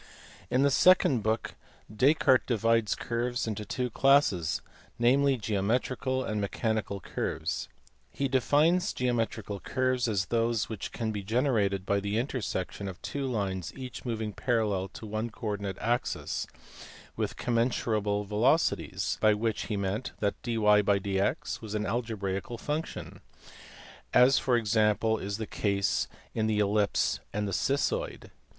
In the second book Descartes divides curves into two classes ; namely, geometrical and mechanical curves. He de fines geometrical curves as those which can be generated by the intersection of two lines each moving parallel to one co ordinate axis with "commensurable" velocities, by which he meant that dyjdx was an algebraical function, as for example is the case in the ellipse and the cissoid.